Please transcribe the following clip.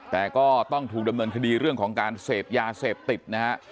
แต่ก็ต้องถูกดำเนินคดีเรื่องของการเสพยาเสพติดนะฮะ